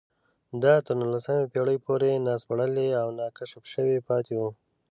دا تر نولسمې پېړۍ پورې ناسپړلي او ناکشف شوي پاتې وو